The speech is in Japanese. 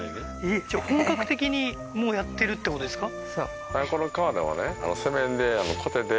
じゃあ本格的にやってるってことですか？